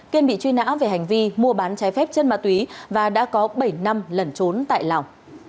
kiên bị truy nã về hành vi mua bán trái phép chân ma túy và đã có bảy năm lẩn trốn tại lào